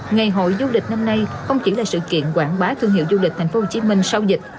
ngày hội du lịch năm nay không chỉ là sự kiện quảng bá thương hiệu du lịch thành phố hồ chí minh sau dịch